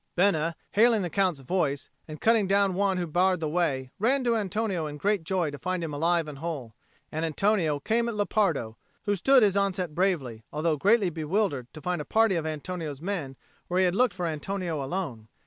Bena, hailing the Count's voice, and cutting down one who barred the way, ran to Antonio in great joy to find him alive and whole. And Antonio came at Lepardo, who stood his onset bravely, although greatly bewildered to find a party of Antonio's men where he had looked for Antonio alone.